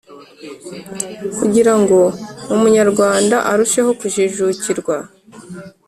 kugira ngo umunyarwanda arusheho kujijukirwa,